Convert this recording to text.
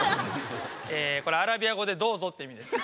これアラビア語で「どうぞ」って意味です。